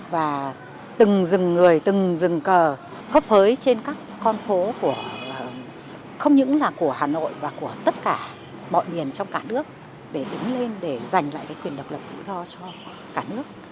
và từng rừng người từng rừng cờ khớp hới trên các con phố của không những là của hà nội và của tất cả mọi miền trong cả nước để đứng lên để giành lại cái quyền độc lập tự do cho cả nước